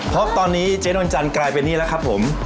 เพราะตอนนี้เจ๊นวลจันทร์กลายเป็นนี่แล้วครับผม